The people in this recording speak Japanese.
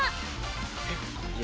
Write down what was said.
えっ！